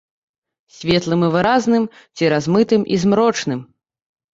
Светлым і выразным ці размытым і змрочным.